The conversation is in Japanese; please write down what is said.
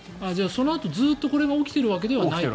そのあとずっとこれが起きているわけじゃない？